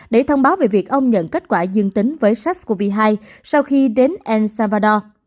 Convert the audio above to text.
để thông báo về việc ông nhận kết quả dương tính với sars cov hai sau khi đến el salvador